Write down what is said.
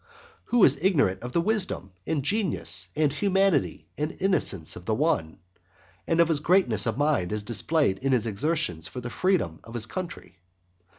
Who is ignorant of the wisdom, and genius, and humanity, and innocence of the one, and of his greatness of mind as displayed in his exertions for the freedom of his country?